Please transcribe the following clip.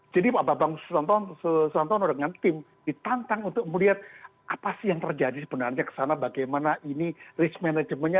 jadi pak bapak nusantara dengan tim ditantang untuk melihat apa sih yang terjadi sebenarnya ke sana bagaimana ini risk management nya